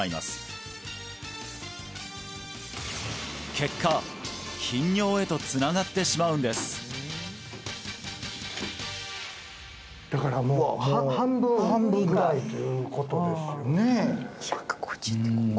結果頻尿へとつながってしまうんですだからもう半分ぐらいということですよね